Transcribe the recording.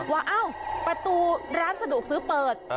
ว่าประตูร้านสะดวกซื้อเปิด